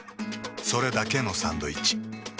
それだけのサンドイッチ。